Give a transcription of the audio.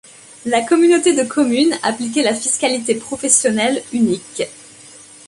La communauté de communes appliquait la fiscalité professionnelle unique.